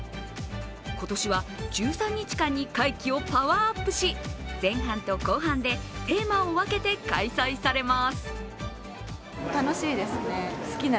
今年は１３日間に会期をパワーアップし前半と後半でテーマを分けて開催されます。